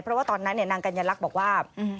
เพราะว่าตอนนั้นนางกัญลักษณ์บอกว่า